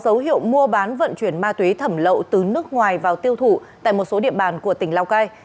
dấu hiệu mua bán vận chuyển ma túy thẩm lậu từ nước ngoài vào tiêu thụ tại một số địa bàn của tỉnh lào cai